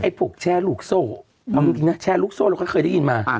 พวกแชร์ลูกโซ่เอาจริงนะแชร์ลูกโซ่เราก็เคยได้ยินมา